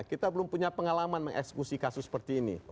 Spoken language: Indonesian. kita belum punya pengalaman mengeksekusi kasus seperti ini